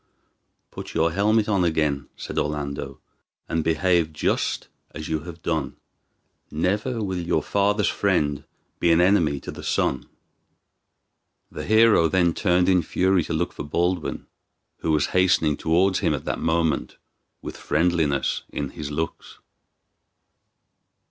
"Put your helmet on again," said Orlando, "and behave just as you have done. Never will your father's friend be an enemy to the son." The hero then turned in fury to look for Baldwin, who was hastening towards him at that moment, with friendliness in his looks.